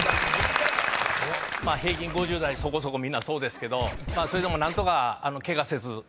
まあ平均５０代そこそこみんなそうですけど。それでも何とか。